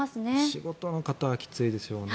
仕事の方はきついですよね。